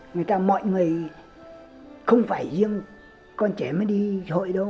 người ta mọi người không phải riêng con trẻ mới đi hội đâu